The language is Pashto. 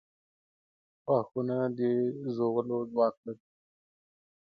• غاښونه د ژولو ځواک لري.